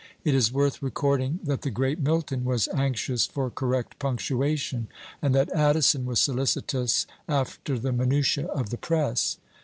It is worth recording that the great Milton was anxious for correct punctuation, and that Addison was solicitous after the minutiÃḊ of the press.